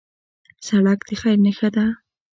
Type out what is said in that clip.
سړک د خیر نښه ده.